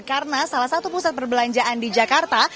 karena salah satu pusat perbelanjaan di jakarta